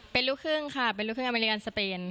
เป็นลูกครึ่งค่ะเป็นลูกครึ่งอเมริกันสเตน